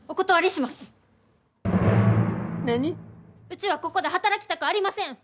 うちはここで働きたくありません！